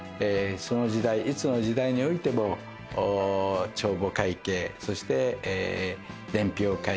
その時代いつの時代においても帳簿会計そして伝票会計